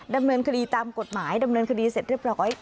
ดำเนินคดีตามกฎหมายดำเนินคดีเสร็จเรียบร้อย